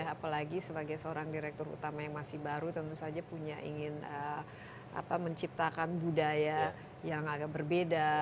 apalagi sebagai seorang direktur utama yang masih baru tentu saja punya ingin menciptakan budaya yang agak berbeda